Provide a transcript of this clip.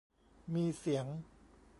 มีเสียง